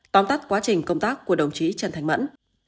tóm tắt quá trình công tác của đồng chí trần thành mẫn